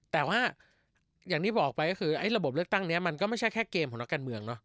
แต่ว่าอย่างที่บอกไปก็คือไอ้ระบบเลือกตั้งนี้มันก็ไม่ใช่แค่เกมของนักการเมืองเนาะ